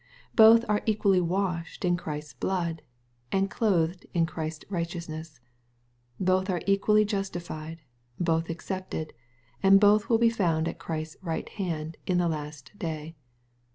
Both are equally washed in Christ's blood, and clothed in Christ's righteousness. Both are equally justified, both accepted, and both will be found at Christ's right hand in the last day.